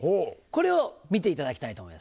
これを見ていただきたいと思います。